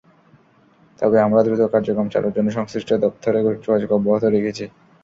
তবে আমরা দ্রুত কার্যক্রম চালুর জন্য সংশ্লিষ্ট দপ্তরে যোগাযোগ অব্যাহত রেখেছি।